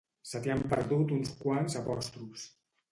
Se t'hi han perdut uns quants apòstrofs